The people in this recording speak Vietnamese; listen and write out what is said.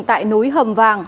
tại núi hầm vàng